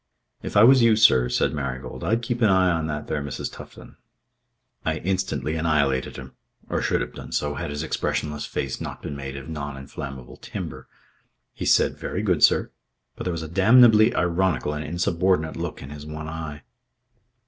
"If I was you, sir," said Marigold, "I'd keep an eye on that there Mrs. Tufton." I instantly annihilated him or should have done so had his expressionless face not been made of non inflammable timber. He said: "Very good, sir." But there was a damnably ironical and insubordinate look in his one eye.